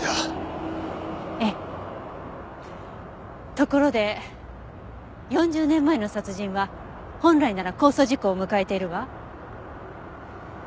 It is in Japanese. ところで４０年前の殺人は本来なら公訴時効を迎えているわ。